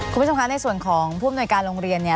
คุณผู้ชมคะในส่วนของผู้อำนวยการโรงเรียนเนี่ย